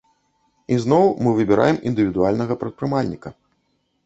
І зноў мы выбіраем індывідуальнага прадпрымальніка.